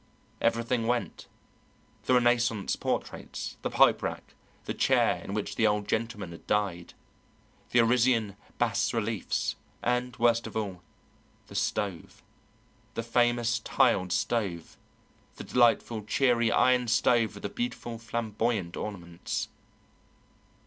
Everything went the Renaissance portraits, the pipe rack, the chair in which the Old Gentleman had died, the Assyrian bas reliefs and, worst of all, the stove, the famous tiled stove, the delightful cheery iron stove with the beautified flamboyant ornaments.